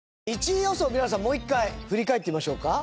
１位予想を皆さんもう１回振り返ってみましょうか。